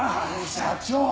社長。